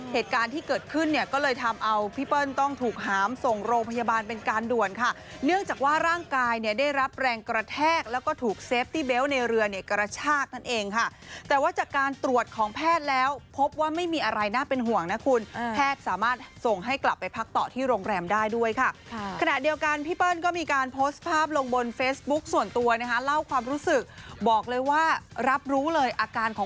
เหตุการณ์ที่เกิดขึ้นเนี่ยก็เลยทำเอาพี่เปิ้ลต้องถูกหามส่งโรงพยาบาลเป็นการด่วนค่ะเนื่องจากว่าร่างกายเนี่ยได้รับแรงกระแทกแล้วก็ถูกเซฟตี้เบลต์ในเรือเนี่ยกระชากนั่นเองค่ะแต่ว่าจากการตรวจของแพทย์แล้วพบว่าไม่มีอะไรน่าเป็นห่วงนะคุณแพทย์สามารถส่งให้กลับไปพักต่อที่โรงแรมได้ด้วยค